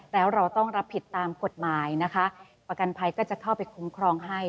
แล้วเราต้องรับผิดตามกฎหมายนะคะประกันภัยก็จะเข้าไปคุ้มครองให้